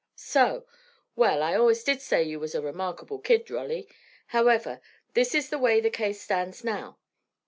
"So. Well, I allus did say you was a remarkable kid, Rolly. However, this is the way the case stands now.